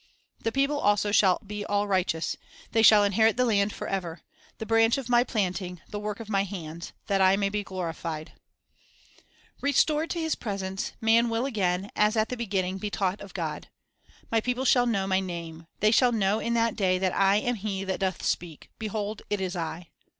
2 "All " Thy people also shall be all righteous : Righteous " They shall i n herit the land forever, The branch of My planting, The work of My hands, That I may be glorified "; Restored to His presence, man will again, as at the beginning, be taught of God: "My people shall know My name; ... they shall know in that day that I am He that doth speak; behold, it is I."